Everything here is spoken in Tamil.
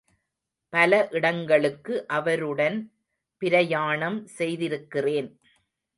பல இடங்களுக்கு அவருடன் பிரயாணம் செய்திருக்கிறேன்.